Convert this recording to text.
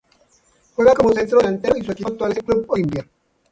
Juega como Centrodelantero y su equipo actual es el Club Olimpia.